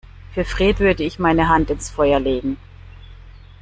Für Fred würde ich meine Hand ins Feuer legen.